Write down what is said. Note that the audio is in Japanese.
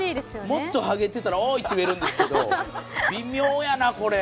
もっとハゲてたら「おい！」って言えるんですけど微妙やなこれ。